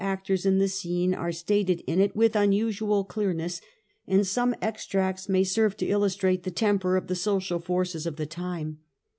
1. actors in the scene are stated in it with unusual clearness, and some extracts may serve to illustrate the temper of the social forces of the time.